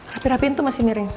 rapi rapiin itu masih miring